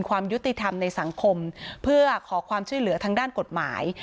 ความยุติธรรมในสังคมเพื่อขอความช่วยเหลือทางด้านกฎหมาย